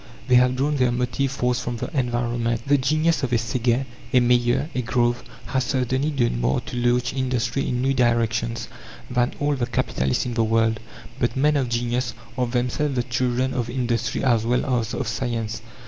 They have drawn their motive force from the environment. The genius of a Séguin, a Mayer, a Grove, has certainly done more to launch industry in new directions than all the capitalists in the world. But men of genius are themselves the children of industry as well as of science.